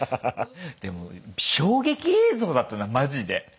でも衝撃映像だったなマジで。